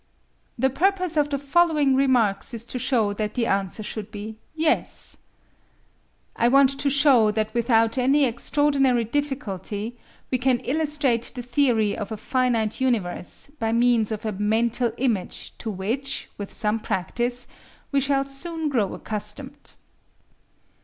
The purpose of the following remarks is to show that the answer should be "Yes." I want to show that without any extraordinary difficulty we can illustrate the theory of a finite universe by means of a mental image to which, with some practice, we shall soon grow accustomed.